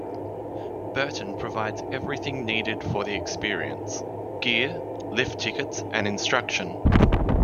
Burton provides everything needed for the experience: gear, lift tickets, and instruction.